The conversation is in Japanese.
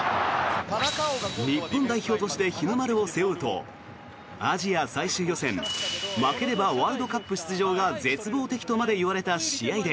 日本代表として日の丸を背負うとアジア最終予選負ければワールドカップ出場が絶望的とまで言われた試合で。